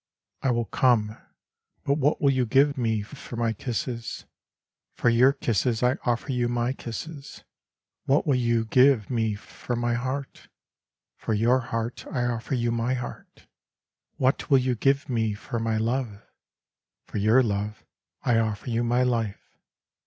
I will come. But what will you give me for my kisses ? —For your kisses I offer you my kisses. What will you give me for my heart ? —For your heart I offer you my heart. What will you give me for my love ? —For your love I offer you my life.